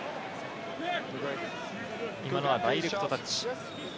今、ダイレクトタッチ。